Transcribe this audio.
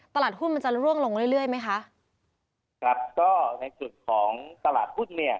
ตลาดหุ้นมันจะร่วงลงเรื่อยเรื่อยไหมคะครับก็ในส่วนของตลาดหุ้นเนี่ย